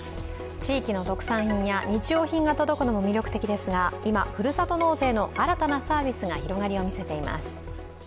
地域の特産品や日用品が届くのも魅力ですが、今、ふるさと納税の新たなサービスが広がりを見せています。